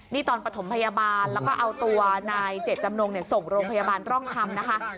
นี่ตอนปฐมพยาบาลแล้วก็เอาตัวนายเจ็ดจำนงส่งโรงพยาบาลร่องคำนะคะ